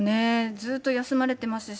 ずっと休まれてますし。